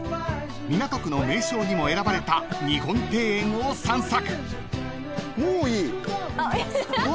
港区の名勝にも選ばれた日本庭園を散策］